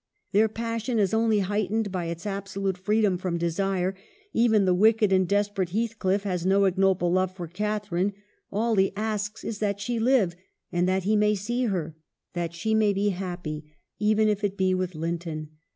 Their passion is only heightened by its absolute free dom from desire ; even the wicked and desperate Heathcliff has no ignoble love for Catharine ; all he asks is that she live, and that he may see her ; that she may be happy even if it be with Linton.